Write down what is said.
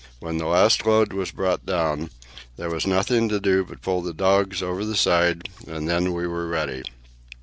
When the last load was brought down, there was nothing to do but to pull the dogs over the side, and then we were ready.